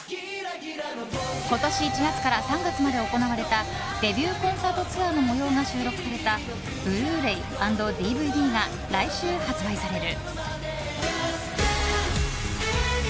今年１月から３月まで行われたデビューコンサートツアーの模様が収録されたブルーレイ＆ＤＶＤが来週発売される。